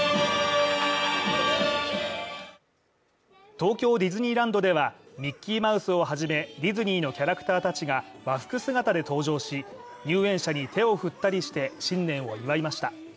東京ディズニーランドではミッキーマウスをはじめディズニーのキャラクターたちが和服姿で登場し、入園者に手を振ったりして新年を祝いました。